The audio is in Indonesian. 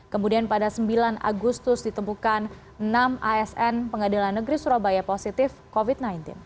kemudian pada sembilan agustus ditemukan enam asn pengadilan negeri surabaya positif covid sembilan belas